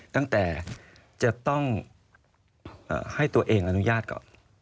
ตั้งแต่จะต้องให้ตัวเองอนุญาตก่อน